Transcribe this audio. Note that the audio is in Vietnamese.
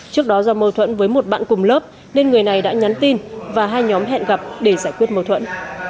trước đó do mâu thuẫn với một bạn cùng lớp nên người này đã nhắn tin và hai nhóm hẹn gặp để giải quyết mâu thuẫn